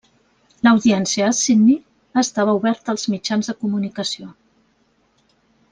L'audiència a Sydney estava oberta als mitjans de comunicació.